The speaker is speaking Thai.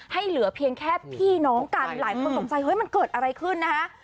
เหลือเพียงแค่พี่น้องกันหลายคนตกใจเฮ้ยมันเกิดอะไรขึ้นนะฮะ